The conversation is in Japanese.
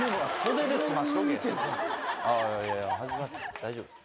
大丈夫ですか。